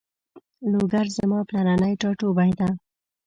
لوګر زما پلرنی ټاټوبی ده